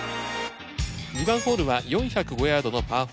２番ホールは４０５ヤードのパー４。